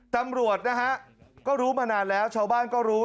ตำรวจนะฮะก็รู้มานานแล้วชาวบ้านก็รู้